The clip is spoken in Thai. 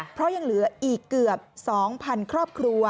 เพราะยังเหลืออีกเกือบ๒๐๐๐ครอบครัว